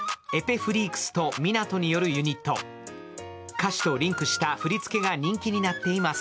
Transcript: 歌詞とリンクした振り付けが人気になっています。